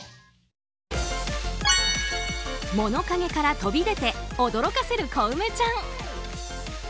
物陰から飛び出て驚かせる小梅ちゃん。